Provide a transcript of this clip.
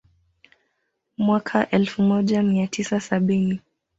Mwaka elfu moja mia tisa sabini